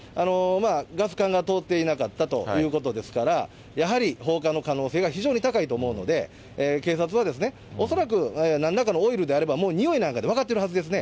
ガス管が通っていなかったということですから、やはり放火の可能性が非常に高いと思うので、警察は恐らく、なんらかのオイルであれば、もうにおいなんかで分かってるはずですね。